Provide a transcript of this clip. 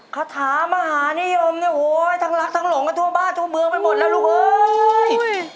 คาถามหานิยมเนี่ยโหยทั้งรักทั้งหลงกันทั่วบ้านทั่วเมืองไปหมดแล้วลูกเอ้ย